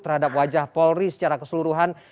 terhadap wajah polri secara keseluruhan